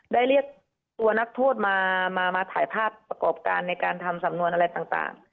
เรียกตัวนักโทษมาถ่ายภาพประกอบการในการทำสำนวนอะไรต่าง